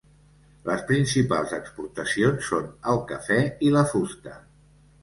Les principals exportacions són el cafè i la fusta.